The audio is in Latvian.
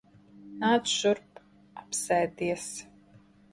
Nāc šurp. Apsēdies.